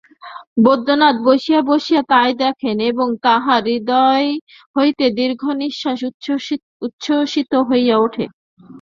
বৈদ্যনাথ বসিয়া বসিয়া তাই দেখেন এবং তাঁহার হৃদয় হইতে দীর্ঘনিশ্বাস উচ্ছসিত হইয়া উঠে।